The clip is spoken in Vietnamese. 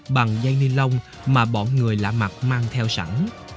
bằng dây ni lông mà bọn người lạ mặt mang theo sẵn